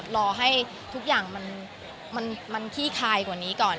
รอให้ทุกอย่างมันขี้คายกว่านี้ก่อน